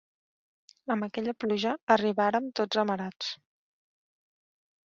Amb aquella pluja arribàrem tots amarats.